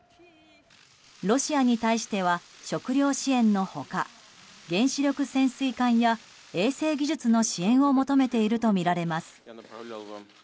ロシアに対しては食糧支援の他原子力潜水艦や衛星技術の支援を求めているとみられます。